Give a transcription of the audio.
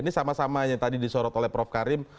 ini sama sama yang tadi disorot oleh prof karim